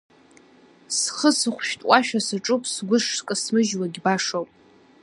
Схы сыхәшәтәуашәа саҿуп, сгә шкасмыжьуагь башоуп.